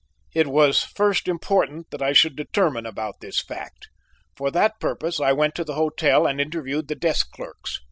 It was first important that I should determine about this fact. For that purpose I went to the hotel and interviewed the desk clerks.